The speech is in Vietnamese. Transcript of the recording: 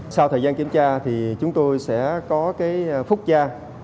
sau thời gian kiểm tra thì chúng tôi sẽ có phúc gia